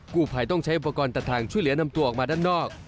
ผู้ภัยต้องใช้อุปกรณ์ตัดทางช่วยเหลือนำตัวออกมาด้านนอก